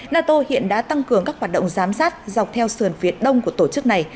nato hiện đã tăng cường các hoạt động giám sát dọc theo sườn phía đông của tổ chức này